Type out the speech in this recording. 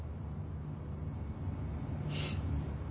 フッ。